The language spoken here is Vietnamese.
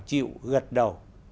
chịu gật đầu